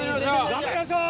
頑張りましょう！